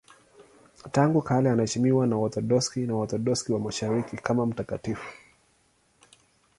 Tangu kale anaheshimiwa na Waorthodoksi na Waorthodoksi wa Mashariki kama mtakatifu.